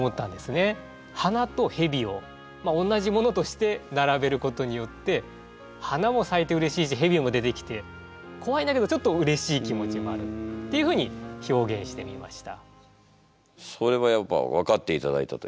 「花」と「蛇」をまあおんなじものとして並べることによって花も咲いてうれしいし蛇も出てきて怖いんだけどちょっとうれしい気持ちもあるっていうふうに表現してみました。